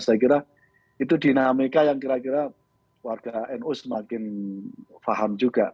saya kira itu dinamika yang kira kira warga nu semakin paham juga